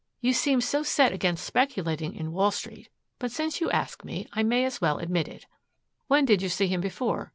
You seemed so set against speculating in Wall Street. But since you ask me, I may as well admit it." "When did you see him before?"